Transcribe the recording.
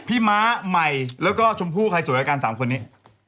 ม้าใหม่แล้วก็ชมพู่ใครสวยกว่ากัน๓คนนี้